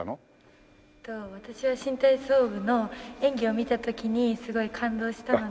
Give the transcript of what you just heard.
私は新体操部の演技を見た時にすごい感動したので。